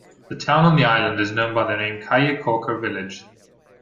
The town on the island is known by the name Caye Caulker Village.